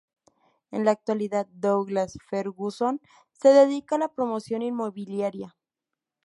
En la actualidad Douglas Ferguson se dedica a la promoción inmobiliaria.